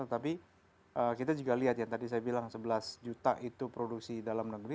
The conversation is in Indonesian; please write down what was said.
tetapi kita juga lihat ya tadi saya bilang sebelas juta itu produksi dalam negeri